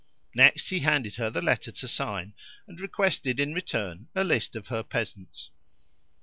Next, he handed her the letter to sign, and requested, in return, a list of her peasants.